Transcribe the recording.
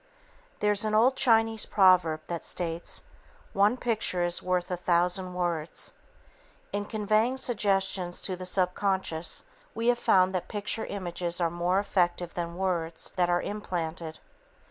There's an old Chinese proverb that states: "One picture is worth a thousand words." In conveying suggestions to the subconscious, we have found that picture images are more effective than the words that are implanted.